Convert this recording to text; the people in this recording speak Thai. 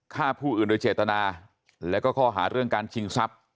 ฆ่าผู้อื่นโดยเจตนาแล้วก็ข้อหาเรื่องการชิงทรัพย์